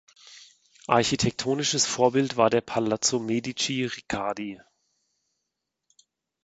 Architektonisches Vorbild war der Palazzo Medici Riccardi.